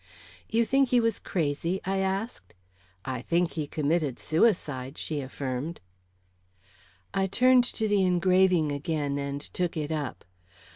"You think he was crazy?" I asked. "I think he committed suicide," she affirmed. I turned to the engraving again, and took it up.